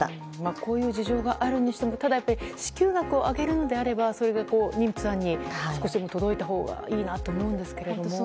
こういう事情があるにしても支給額を上げるのであればそれが妊婦さんに少しでも届いたほうがいいと思いますが。